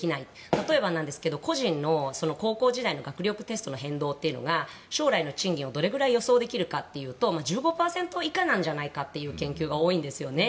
例えばなんですけど個人の高校時代の学力テストの変動が将来の賃金をどれぐらい予想できるかというと１５％以下なんじゃないかという研究が多いんですよね。